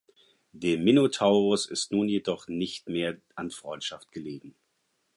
Dem Minotauros ist nun jedoch nicht mehr an Freundschaft gelegen.